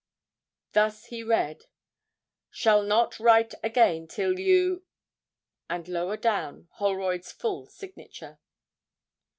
Thus he read, 'Shall not write again till you ' and lower down Holroyd's full signature.